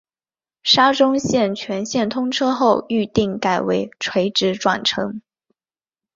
沙中线全线通车后预定改为垂直转乘。